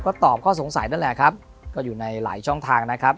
ก็ตอบข้อสงสัยนั่นแหละครับก็อยู่ในหลายช่องทางนะครับ